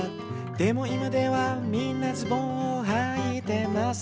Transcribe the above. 「でも今ではみんなズボンをはいてます」